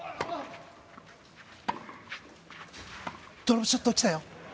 ドロップショット来たよ。